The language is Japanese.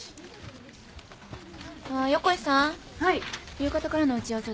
夕方からの打ち合わせ